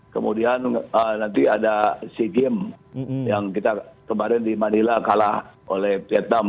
kemudian nanti ada sea games yang kita kemarin di madila kalah oleh vietnam